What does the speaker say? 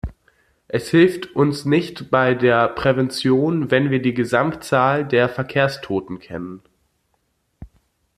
Es hilft uns nicht bei der Prävention, wenn wir die Gesamtzahl der Verkehrstoten kennen.